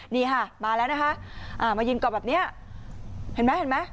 นี่ค่ะมาแล้วนะคะมายืนเกาะแบบนี้เห็นไหม